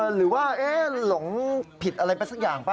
หรือว่าหลงผิดอะไรไปสักอย่างป่